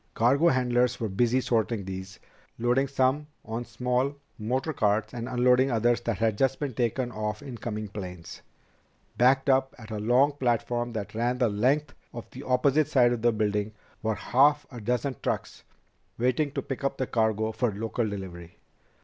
Cargo handlers were busy sorting these, loading some on small motor carts and unloading others that had just been taken off incoming planes. Backed up at a long platform that ran the length of the opposite side of the building were half a dozen trucks waiting to pick up the cargo for local delivery.